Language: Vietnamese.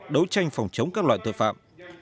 đấu tranh phòng chống các loại tội phạm